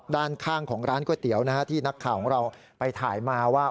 ด้านข้างของร้านก๋วยเตี๋ยวที่นักข่าวของเราไปถ่ายมาว่า